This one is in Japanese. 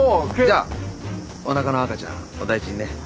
じゃあおなかの赤ちゃんお大事にね。